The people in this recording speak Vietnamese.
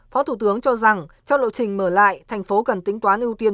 phó thủ tướng cho rằng trong lộ trình mở lại thành phố cần tính toán ưu tiên